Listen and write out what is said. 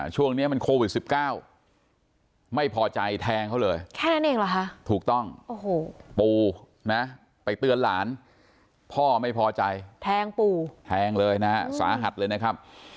ช่วงนี้มันโควิด๑๙ไม่พอใจแทงเขาเลยแค่นั้นเองเหรอคะถูกต้องปู่นะไปเตือนหลานพ่อไม่พอใจแทงปู่แทงเลยนะฮะสาหัสเลยนะครับ